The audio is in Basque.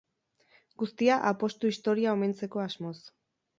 Guztia apostu historia omentzeko asmoz.